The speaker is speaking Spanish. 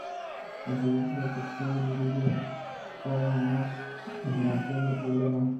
Referirse a sección del libro para más información del problema.